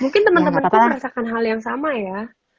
mungkin teman teman pun merasakan hal yang sama ya